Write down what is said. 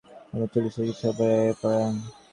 বয়স তাঁর চল্লিশের কিছু এপারে বা ওপারে।